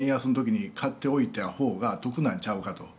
今この円安の時に買っておいたほうが得なんちゃうかと。